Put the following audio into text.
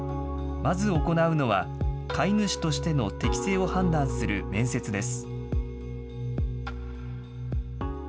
まず行うのは、飼い主としての適正を判断する面接です。